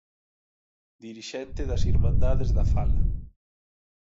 Dirixente das Irmandades da Fala.